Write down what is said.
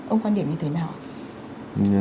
ông quan điểm như thế nào